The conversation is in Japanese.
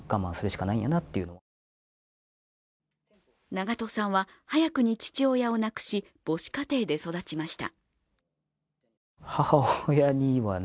長渡さんは早くに父親を亡くし、母子家庭で育ちました。